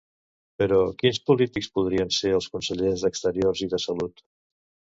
Però, quins polítics podrien ser els consellers d'Exteriors i de Salut?